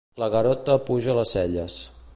El Garota apuja les celles.